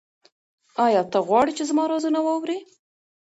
ایا ته غواړې چې زما رازونه واورې؟